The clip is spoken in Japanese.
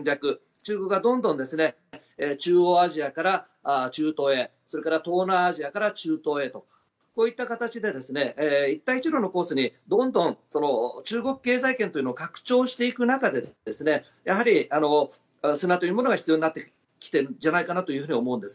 中国がどんどん中央アジアから中東へそれから東南アジアから中東へとこういった形で一帯一路のコースにどんどん中国経済圏を拡張していく中で砂というものが必要になってきているんじゃないかなと思うんです。